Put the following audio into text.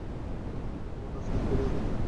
আমার রাজনৈতিক ক্যারিয়ার ধ্বংস হয়ে যাবে।